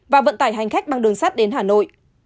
và vận tải hành khách bằng đường sắt đến hà nội